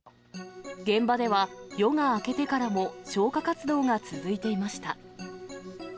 現場では、夜が明けてからも消火活動が続いていました。